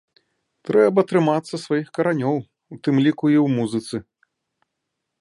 Трэба трымацца сваіх каранёў, у тым ліку і ў музыцы!